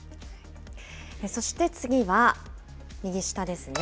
そして次は右下ですね。